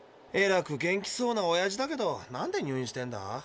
えらく元気そうなおやじだけどなんで入院してんだ？